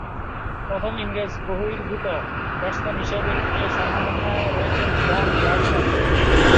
প্রথম ইংরেজ-বহির্ভূত ব্যাটসম্যান হিসেবে এ সম্মাননায় রয়েছেন ডন ব্র্যাডম্যান।